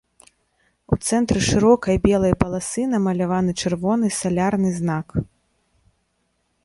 У цэнтры шырокай белай паласы намаляваны чырвоны салярны знак.